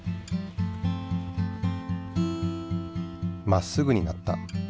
まっすぐになった。